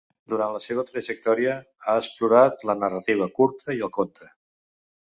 Durant la seva trajectòria ha explorat la narrativa curta i el conte.